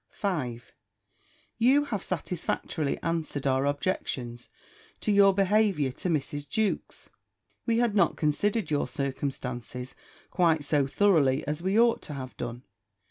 5. You have satisfactorily answered our objections to your behaviour to Mrs. Jewkes. We had not considered your circumstances quite so thoroughly as we ought to have done.